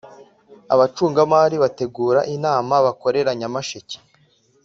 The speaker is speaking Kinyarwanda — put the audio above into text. abacungamari bategura inama bakorera nyamasheke